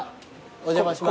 お邪魔します。